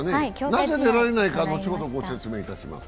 なぜ出られないかは、後ほどご説明いたします。